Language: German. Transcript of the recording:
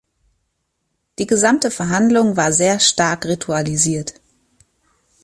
Die gesamte Verhandlung war sehr stark ritualisiert.